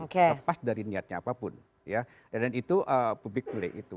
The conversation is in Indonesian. lepas dari niatnya apapun dan itu publik pilih